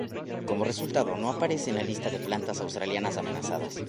Como resultado no aparece en la lista de plantas australianas amenazadas.